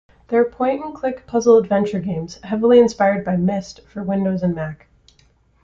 They are point-and-click puzzle-adventure games, heavily inspired by "Myst" for Windows and Mac.